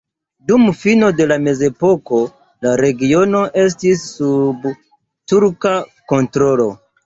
Dum fino de la mezepoko la regiono estis sub turka kontrolo.